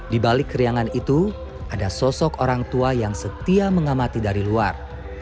di balik keriangan itu ada sosok orang tua yang setia mengamati dari luar